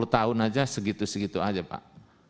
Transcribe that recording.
lima puluh tahun saja segitu segitu saja pak